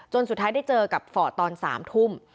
สุดท้ายได้เจอกับฟอร์ดตอน๓ทุ่ม